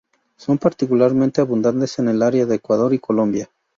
Son particularmente abundantes en el área de Ecuador y Colombia.